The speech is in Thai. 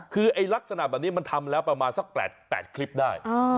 คือลักษณะแบบนี้มันทำแล้วประมาณสัก๘คลิปได้